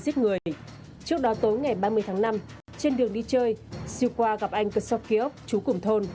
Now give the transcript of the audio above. trước đó tối ngày ba mươi tháng năm trên đường đi chơi siêu qua gặp anh cực sốc ký ốc chú củng thôn